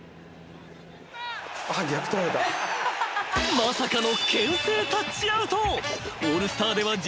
［まさかのけん制タッチアウト］